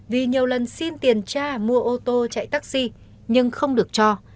vì nhiều lần xin tiền cha mua ô tô chạy taxi nhưng không được cho